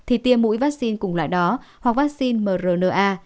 thì tiêm mũi vaccine cùng loại đó hoặc vaccine mrna